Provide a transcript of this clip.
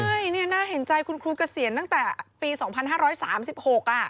ใช่เนี่ยน่าเห็นใจคุณครูเกษียณตั้งแต่ปี๒๕๓๖อ่ะ